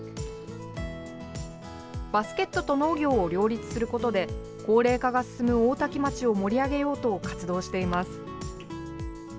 バスケットと農業を両立することで高齢化が進む大多喜町を盛り上げようと活動しています。